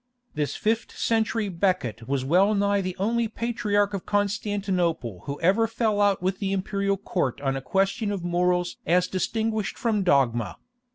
This fifth century Becket was well nigh the only patriarch of Constantinople who ever fell out with the imperial Court on a question of morals as distinguished from dogma.